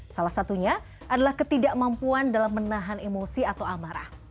salah satunya adalah ketidakmampuan dalam menahan emosi atau amarah